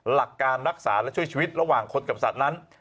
หลักการรักษาและช่วยชีวิตระหว่างคนกับสัตว์นั้น